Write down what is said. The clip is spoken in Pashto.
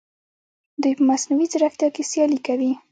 دوی په مصنوعي ځیرکتیا کې سیالي کوي.